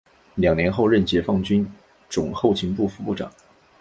两年后任解放军总后勤部副部长。